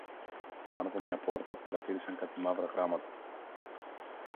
Πάνω από μια πόρτα παρατήρησαν κάτι μαύρα γράμματα.